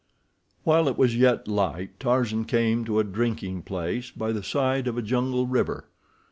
While it was yet light Tarzan came to a drinking place by the side of a jungle river.